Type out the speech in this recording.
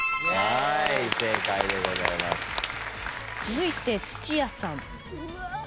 続いて土屋さん。